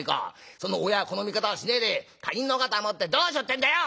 その親が子の味方をしねえで他人の肩持ってどうしよってんだよ！